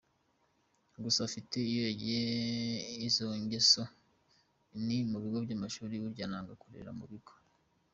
Gusa afite iyo yigiye izongeso ni mubigo byamashuri burya nanga kurerera mubigo .